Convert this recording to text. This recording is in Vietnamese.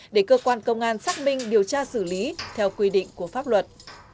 để cơ quan công an xác minh điều tra xử lý theo quy định của pháp luật